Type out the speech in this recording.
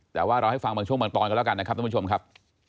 แต่ว่าเราให้ฟังบังช่วงเหมือนก่อนก่อนแล้วกันครับท่านผู้ชมครับ